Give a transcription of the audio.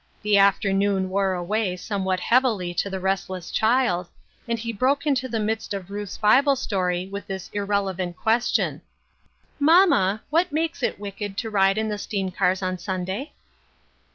The afternoon wore away somewhat heavily to the restless child, and he broke into the midst of Ruth's Bible story with this irrelevant question, —" Mamma, what makes it wicked to ricle in the steam cars on Sunday?"